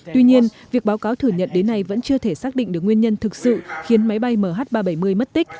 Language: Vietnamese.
tuy nhiên việc báo cáo thử nhận đến nay vẫn chưa thể xác định được nguyên nhân thực sự khiến máy bay mh ba trăm bảy mươi mất tích